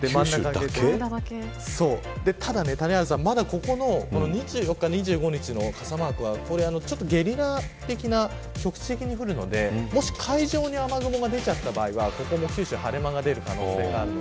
ただ谷原さん、まだ２４日２５日傘マークはゲリラ的な、局地的に降るのでもし海上に雨雲が出た場合はここも九州は晴れ間が出る可能性があります。